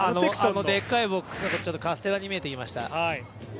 でっかいボックスのことがちょっとカステラに見えてきました。